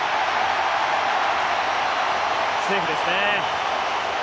セーフですね。